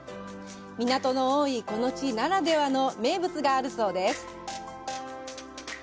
港の多いこの地ならではの名物があるそうです。